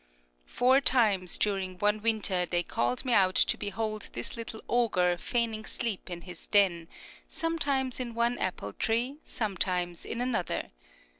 Four times during one winter they called me out to behold this little ogre feigning sleep in his den, sometimes in one apple tree, sometimes in another.